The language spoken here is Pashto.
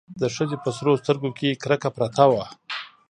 د ښځې په سرو سترګو کې کرکه پرته وه.